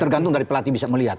tergantung dari pelatih bisa melihat